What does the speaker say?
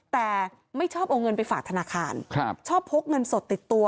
แต่ไม่ชอบเอาเงินไปฝากธนาคารครับชอบพกเงินสดติดตัว